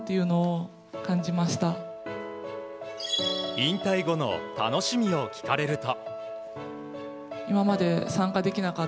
引退後の楽しみを聞かれると。